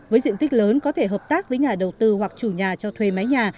với diện tích lớn có thể hợp tác với nhà đầu tư hoặc chủ nhà cho thuê máy nhà